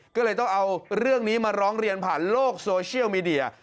ก็เลยต้องเอาเรื่องนี้มาร้องเรียนผ่านโลกโซเชียลมีเดีย